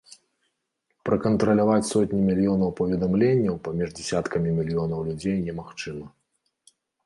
Пракантраляваць сотні мільёнаў паведамленняў паміж дзясяткамі мільёнаў людзей немагчыма.